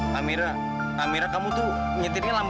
tapi kok mira yang nyetir sih